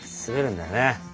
すべるんだよね。